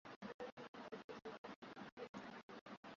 Nyumba yetu iko shambani